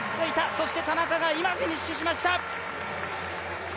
そして田中が今、フィニッシュしました。